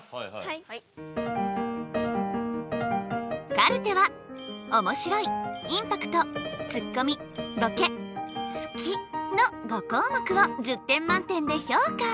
カルテは「おもしろい」「インパクト」「ツッコミ」「ボケ」「好き」の５項目を１０点満点で評価。